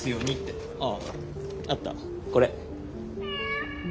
あああったこれ。